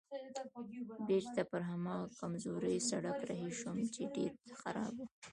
بېرته پر هماغه کمزوري سړک رهي شوم چې ډېر خراب و.